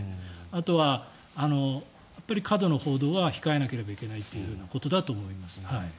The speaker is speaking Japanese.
あとは、やっぱり過度な報道は控えなければならないということだと思います。